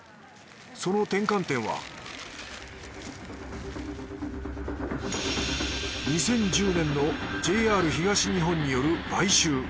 その転換点は２０１０年のＪＲ東日本による買収。